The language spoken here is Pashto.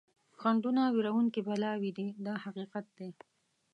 خنډونه وېروونکي بلاوې دي دا حقیقت دی.